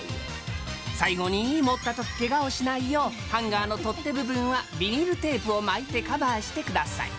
最後に持ったときけがをしないよう、ハンガーの取っ手部分はビニールテープを巻いてカバーしてください。